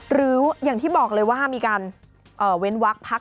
หรืออย่างที่บอกเลยว่ามีการเว้นวักพัก